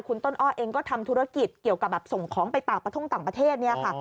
คุณต้นอ้อเองก็ทำธุรกิจเกี่ยวกับส่งของไปต่างประเทศ